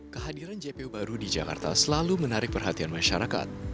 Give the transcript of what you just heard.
kehadiran jpo baru di jakarta selalu menarik perhatian masyarakat